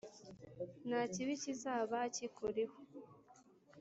nta kibi kizaba kikuriho.